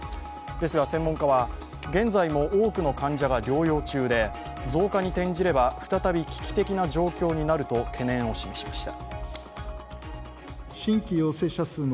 ですが専門家は現在も多くの患者が療養中で増加に転じれば、再び危機的な状況になると懸念を示しました。